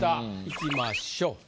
いきましょう。